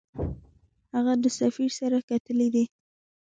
هغه د سفیر سره کتلي دي.